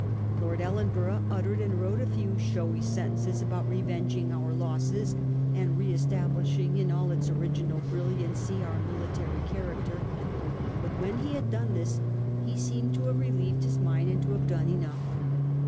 Lord Ellenborough uttered and wrote a few showy sentences about revenging our losses and ' re establisbing in all its original brilliancy our mili tary character.' But when he had done this he seemed to have relieved his mind and to have done enough.